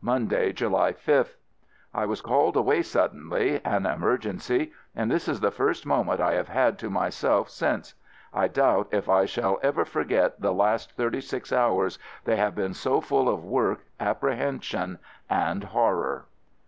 Monday, July 5th. I was called away suddenly — an emer gency — and this is the first moment I have had to myself since. I doubt if I FIELD SERVICE 43 shall ever forget the last thirty six hours — they have been so full of work, appre hension, and horror.